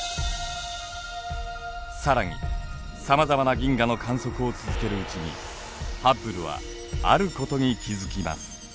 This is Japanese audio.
更にさまざまな銀河の観測を続けるうちにハッブルはあることに気付きます。